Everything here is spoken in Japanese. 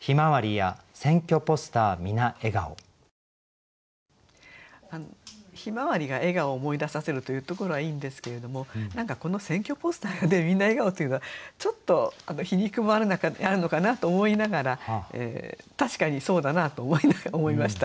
向日葵が笑顔を思い出させるというところはいいんですけれども何かこの選挙ポスターがみんな笑顔というのはちょっと皮肉もあるのかなと思いながら確かにそうだなと思いました。